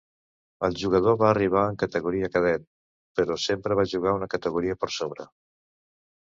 El jugador va arribar en categoria cadet, però sempre va jugar una categoria per sobre.